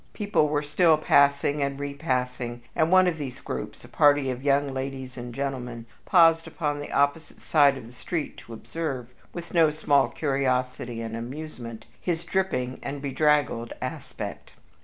People were still passing and repassing, and one of these groups a party of young ladies and gentlemen paused upon the opposite side of the street to observe, with no small curiosity and amusement, his dripping and bedraggled aspect.